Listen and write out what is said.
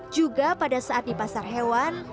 juga pada saat di pasar hewan